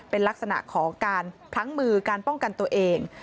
เป็นลักษณะของการพลั้งมือการป้องกันตัวเอง